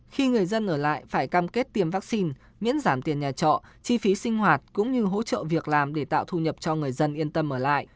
khi người dân ở lại phải cam kết tiêm vaccine miễn giảm tiền nhà trọ chi phí sinh hoạt cũng như hỗ trợ việc làm để tạo thu nhập cho người dân yên tâm ở lại